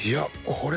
これ。